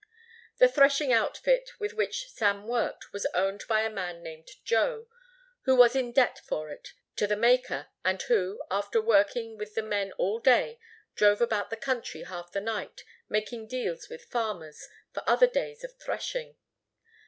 The threshing outfit with which Sam worked was owned by a man named Joe, who was in debt for it to the maker and who, after working with the men all day, drove about the country half the night making deals with farmers for other days of threshing.